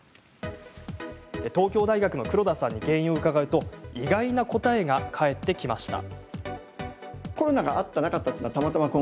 東京大学の黒田さんに原因を伺うと意外な答えが返ってきました。